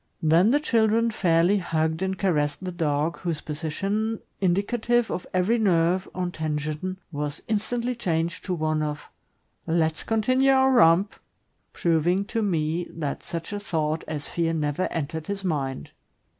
Then the children fairly hugged and caressed the dog, whose position, indicative of every nerve on tension, was instantly changed to one of 'Let's continue our romp," proving to me that such a thought as fear never entered his mind.